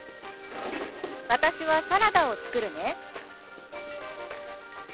「私はサラダを作るね」。